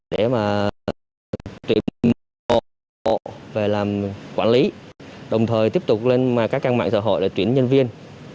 để mà tìm bộ về làm quản lý đồng thời tiếp tục lên các trang mạng xã hội để tuyển nhân viên